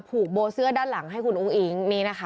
ผูกโบเซื้อด้านหลังให้คุณอุ้งอิง